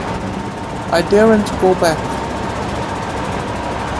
I daren't go back.